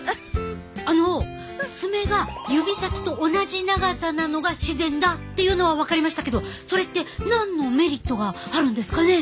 あの爪が指先と同じ長さなのが自然だっていうのは分かりましたけどそれって何のメリットがあるんですかね？